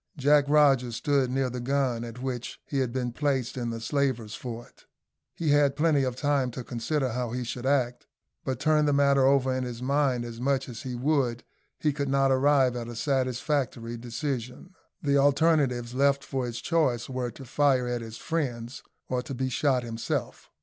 Jack Rogers stood near the gun at which he had been placed in the slavers' fort. He had plenty of time to consider how he should act; but, turn the matter over in his mind as much as he would, he could not arrive at a satisfactory decision. The alternatives left for his choice were to fire at his friends or to be shot himself.